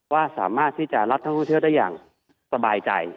ว่าสามารถที่จะรับท่องเที่ยวได้อย่างสบายใจ